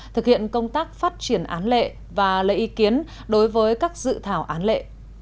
thực hiện công tác phát triển án lệ và lấy ý kiến đối với các dự thảo án lệ